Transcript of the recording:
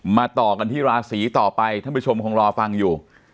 ต่อกันที่ราศีต่อไปท่านผู้ชมคงรอฟังอยู่